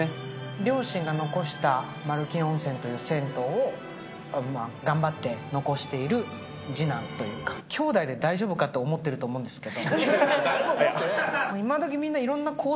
両親が残したまるきん温泉という銭湯を、頑張って残している次男というか、兄弟で大丈夫かと思っていると思うんですけど。